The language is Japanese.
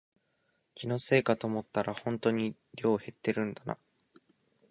気のせいかと思ったらほんとに量減ってるんだな